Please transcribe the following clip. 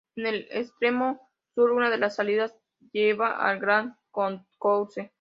En el extremo sur, una de las salidas lleva al Grand Concourse.